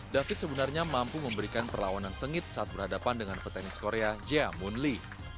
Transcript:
david sebenarnya mampu memberikan perlawanan sengit saat berhadapan dengan petenis korea jea moon lee